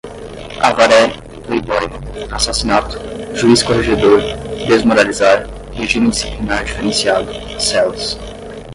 Avaré, Playboy, assassinato, juiz-corregedor, desmoralizar, regime disciplinar diferenciado, celas